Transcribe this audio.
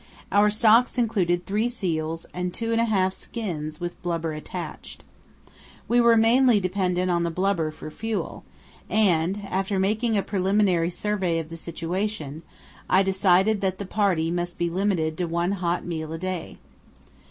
Our stocks included three seals and two and a half skins (with blubber attached). We were mainly dependent on the blubber for fuel, and, after making a preliminary survey of the situation, I decided that the party must be limited to one hot meal a day.